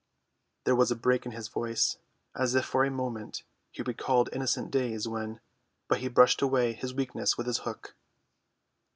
There was a break in his voice, as if for a moment he recalled innocent days when—but he brushed away this weakness with his hook.